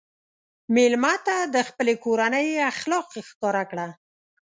مېلمه ته د خپلې کورنۍ اخلاق ښکاره کړه.